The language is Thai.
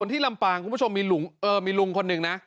ส่วนที่ลำปางมีลุงคนหนึ่งนะ